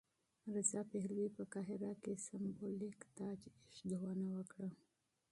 رضا پهلوي په قاهره کې سمبولیک تاجاېښودنه وکړه.